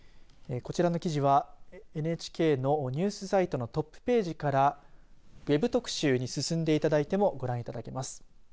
こちらの記事はＮＨＫのニュースサイトのトップページからＷＥＢ特集に進んでいただいてもご覧いただけます。